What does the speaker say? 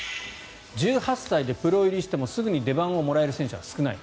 １８歳でプロ入りしてもすぐに出番をもらえる選手は少ない。